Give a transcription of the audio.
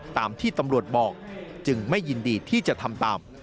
ตามที่ตำรวจบอกจึงไม่ยินดีที่จะทำตาม